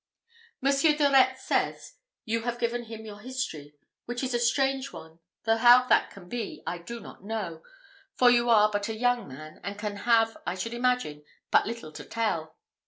Monsieur de Retz says, you have given him your history, which is a strange one though how that can be, I do not know, for you are but a young man, and can have, I should imagine, but little to tell.